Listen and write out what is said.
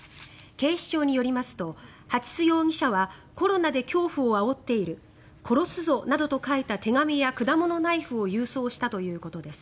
警視庁によりますと蜂須容疑者はコロナで恐怖をあおっている殺すぞなどと書いた手紙や果物ナイフを郵送したということです。